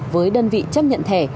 với đơn vị chấp nhận thẻ